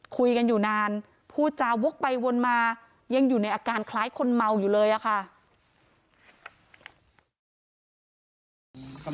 คุยกันอยู่นานพูดจาวกไปวนมายังอยู่ในอาการคล้ายคนเมาอยู่เลยอะค่ะ